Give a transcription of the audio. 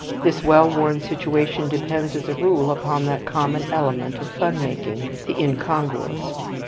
This well worn situation depends, as a rule, upon that common element of fun making, the incongruous.